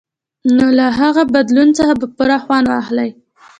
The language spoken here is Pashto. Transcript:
نو له هغه بدلون څخه به پوره خوند واخلئ.